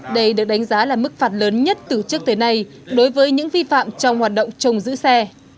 đây được đánh giá là mức phạt lớn nhất từ trước tới nay đối với những vi phạm trong hoạt động trồng giữ xe